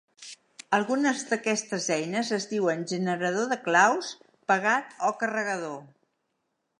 Algunes d'aquestes eines es diuen generador de claus, pegat o carregador.